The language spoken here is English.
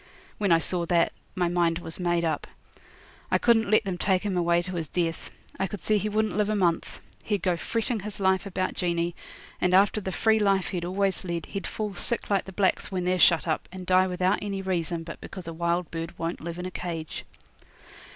When I saw that, my mind was made up. I couldn't let them take him away to his death. I could see he wouldn't live a month. He'd go fretting his life about Jeanie, and after the free life he'd always led he'd fall sick like the blacks when they're shut up, and die without any reason but because a wild bird won't live in a cage.